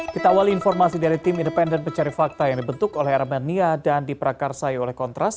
kita awali informasi dari tim independen pencari fakta yang dibentuk oleh aramania dan diperakarsai oleh kontras